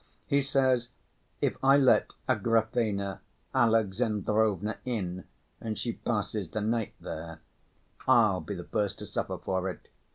He says if I let Agrafena Alexandrovna in and she passes the night there, I'll be the first to suffer for it.